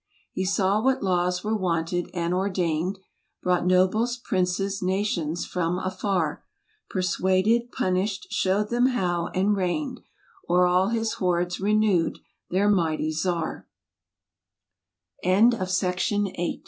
( He saw what laws were wanted, and ordained; Brought nobles, princes, nations, from afar; Persuaded, punished, showed them how, and reigned O'er all his hordes renewed, their